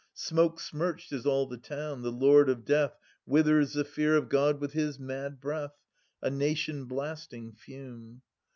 Smoke smirched is all the town : the Lord of Death Withers the fear of God with his mad breath, A nation blasting fume.